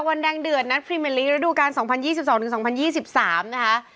วันแดงเดือดนัดพรีเมอร์ลีกระดูกาล๒๐๒๒๒๐๒๓นะคะ